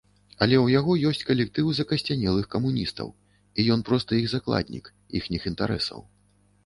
Але ў яго ёсць калектыў закасцянелых камуністаў, і ён проста іх закладнік, іхніх інтарэсаў.